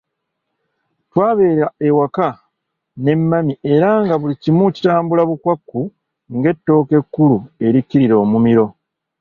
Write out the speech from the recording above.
Twabeera ewaka ne mami era nga buli kimu kitambula bukwakku ng'ettooke ekkulu erikkirira omumiro.